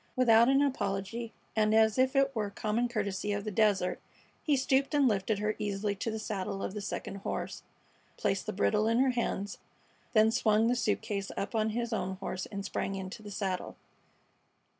Without an apology, and as if it were the common courtesy of the desert, he stooped and lifted her easily to the saddle of the second horse, placed the bridle in her hands, then swung the suit case up on his own horse and sprang into the saddle.